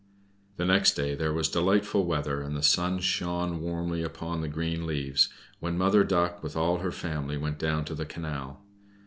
The next day there was delightful weather, and the sun shone warmly upon the green leaves when Mother Duck with all her family went down to the canal.